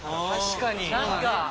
確かに！